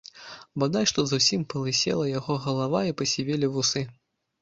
Бадай што зусім палысела яго галава і пасівелі вусы.